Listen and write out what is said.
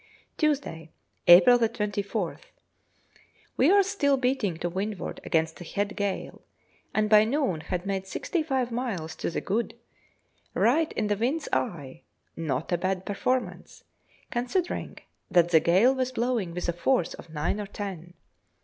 Tuesday, April 24th. We are still beating to windward against a head gale, and by noon had made sixty five miles to the good, right in the wind's eye not a bad performance, considering that the gale was blowing with a force of nine or ten.